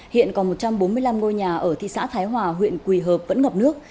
hiện còn một trăm bốn mươi năm ngôi nhà ở thị xã thái hòa huyện quỳ hợp vẫn ngập nước